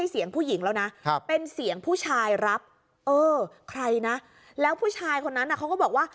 เออใครนะแล้วผู้ชายคนนั้นอะเขาก็บอกว่า